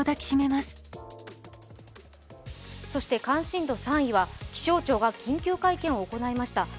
関心度３位は、気象庁が緊急会見を行いました。